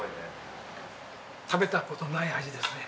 食べた事ない味ですね。